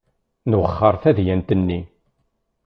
Nwexxer tadyant-nni.